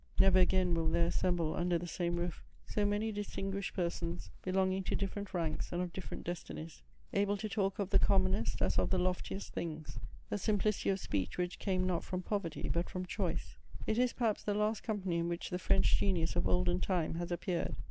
] Never again will there assemble under the same roof so many distinguished persons belonging to different ranks and of different destinies, able to talk of the commonest as of the loftiest things: a simplicity of speech which came not from poverty but from choice. It is perhaps the last company in which the French genius of olden time has appeared.